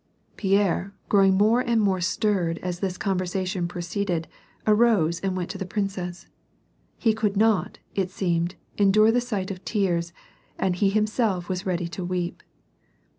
Pierre, growing more and more stirred as this conversation proceeded, arose and went to the princess. He could not, it seemed, endure the sight of tears, and he himself was ready to weep.